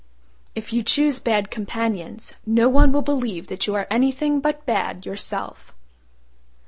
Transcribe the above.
If you choose bad companions no one will believe that you are anything but bad yourself.